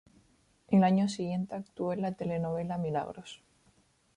El año siguiente actuó en la telenovela "Milagros".